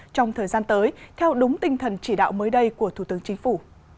trong thời gian tới theo đúng tinh thần chỉ đạo mới đây của thủ tướng chính phủ